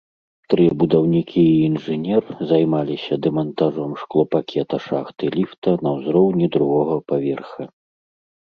Тры будаўнікі і інжынер займаліся дэмантажом шклопакета шахты ліфта на ўзроўні другога паверха.